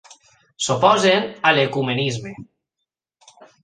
S'oposen a l'ecumenisme.